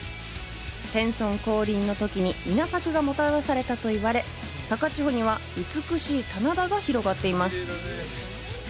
天孫降臨のときに稲作がもたらされたと言われ高千穂には美しい棚田が広がっています。